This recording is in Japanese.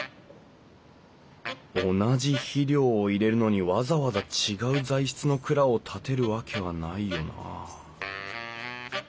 同じ肥料を入れるのにわざわざ違う材質の蔵を建てるわけはないよな